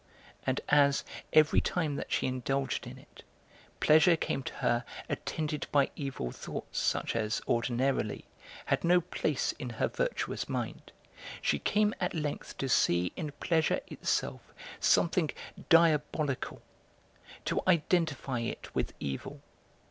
And as, every time that she indulged in it, pleasure came to her attended by evil thoughts such as, ordinarily, had no place in her virtuous mind, she came at length to see in pleasure itself something diabolical, to identify it with Evil.